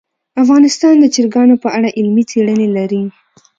افغانستان د چرګانو په اړه علمي څېړنې لري.